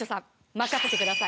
任せてください！